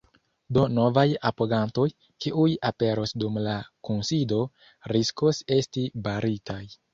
Do novaj apogantoj, kiuj aperos dum la kunsido, riskos esti baritaj.